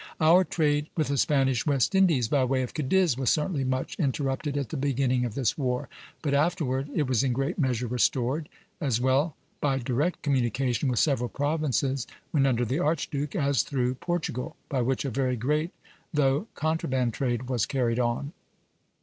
Our trade with the Spanish West Indies by way of Cadiz was certainly much interrupted at the beginning of this war; but afterward it was in great measure restored, as well by direct communication with several provinces when under the Archduke, as through Portugal, by which a very great though contraband trade was carried on.